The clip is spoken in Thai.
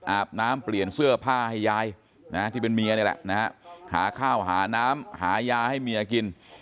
อาบน้ำเปลี่ยนเสื้อผ้าให้ยายนะหาข้าวหาน้ำหายาให้เมียกิน